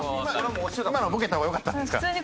今のボケた方がよかったんですか？